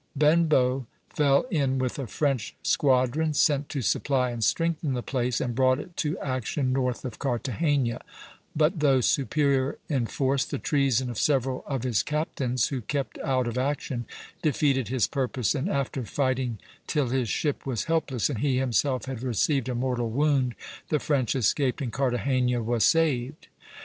Benbow fell in with a French squadron sent to supply and strengthen the place, and brought it to action north of Cartagena; but though superior in force, the treason of several of his captains, who kept out of action, defeated his purpose, and after fighting till his ship was helpless and he himself had received a mortal wound, the French escaped and Cartagena was saved.